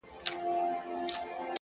• چي تعویذ به مي مضمون د هر غزل وو ,